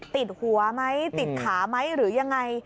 ติดหัวไหมติดขาไหมหรือยังไง